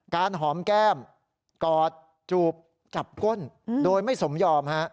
หอมแก้มกอดจูบจับก้นโดยไม่สมยอม